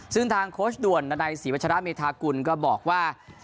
ซึ่งทางโค้ชด่วนณสีวัชรามีธากุลก็บอกว่า